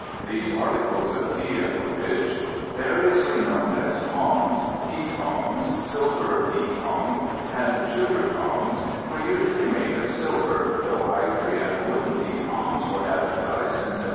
These articles of tea equipage, variously known as "tongs," "tea tongs," "spring tea tongs," and "sugar tongs," were usually made of silver, though "ivory and wooden tea tongs" were advertised in 1763.